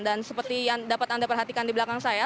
dan seperti yang dapat anda perhatikan di belakang saya